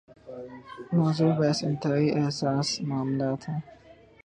موضوع بحث انتہائی حساس معاملات ہیں۔